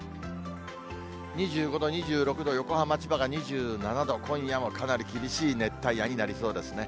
２５度、２６度、横浜、千葉が２７度、今夜もかなり厳しい熱帯夜になりそうですね。